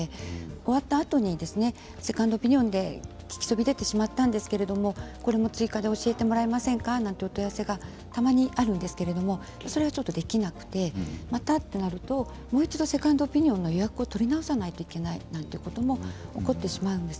終わったあとにセカンドオピニオンで聞きそびれてしまったんですけれど、これも追加で教えてもらえませんか？というお問い合わせがたまにあるんですけれどそれはできなくて、またとなるともう一度セカンドオピニオンの予約を取り直さなければいけないということも起こります。